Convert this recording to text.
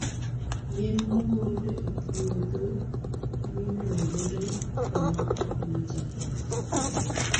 Yien mogol e puodho miyo lowo bedo kama ok ng'ich ahinya.